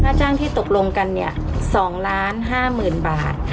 ผ้าจ้างที่ตกลงกันเนี่ย๒ล้าน๕หมื่นบาท